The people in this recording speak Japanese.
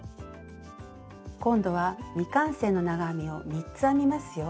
今度は未完成の長編みを３つ編みますよ。